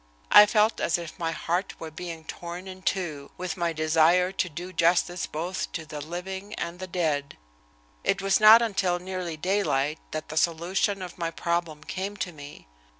I felt as if my heart were being torn in two, with my desire to do justice both to the living and the dead. It was not until nearly daylight that the solution of my problem came to me.